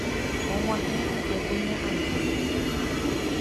Og̃uahẽ upépe Ña Antonia.